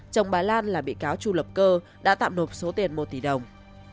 trong bài lan là bị cáo chu lập cơ đã tạm nộp số tiền một tỷ đồng